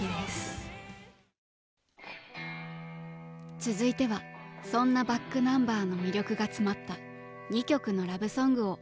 続いてはそんなｂａｃｋｎｕｍｂｅｒの魅力が詰まった２曲のラブソングをお届けします。